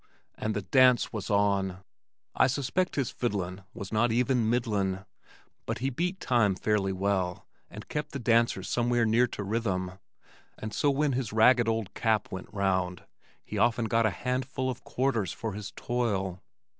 And the dance was on! I suspect his fiddlin' was not even "middlin'," but he beat time fairly well and kept the dancers somewhere near to rhythm, and so when his ragged old cap went round he often got a handful of quarters for his toil.